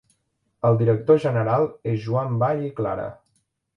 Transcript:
El director general és Joan Vall i Clara.